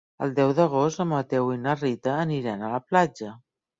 El deu d'agost en Mateu i na Rita aniran a la platja.